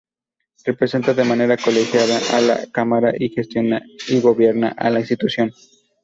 Representa de manera colegiada a la cámara, y gestiona y gobierna la institución.